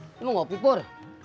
ini mau ngopi pur